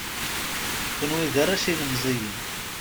Kunwi d arrac ilemẓiyen.